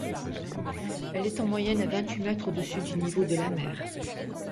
Elle est en moyenne à vingt-huit mètres au-dessus du niveau de la mer.